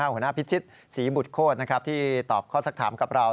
หัวหน้าพิชิตศรีบุตรโคตรที่ตอบข้อสักถามกับเรา